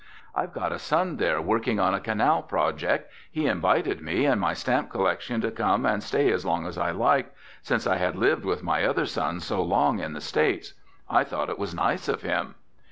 "I've got a son there working on a canal project. He invited me and my stamp collection to come and stay as long as I liked, since I had lived with my other son so long in the States. I thought it was nice of him."